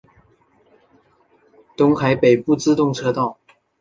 东海北陆自动车道。